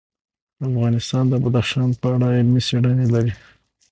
افغانستان د بدخشان په اړه علمي څېړنې لري.